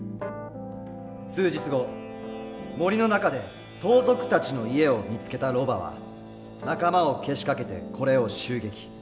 数日後森の中で盗賊たちの家を見つけたロバは仲間をけしかけてこれを襲撃。